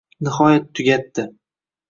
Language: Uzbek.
Nihoyat tugatdi